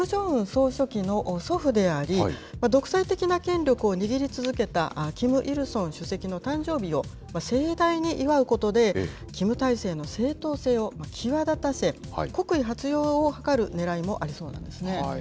総書記の祖父であり、独裁的な権力を握り続けたキム・イルソン主席の誕生日を盛大に祝うことで、キム体制の正当性を際立たせ、国威発揚を図るねらいもありそうなんですね。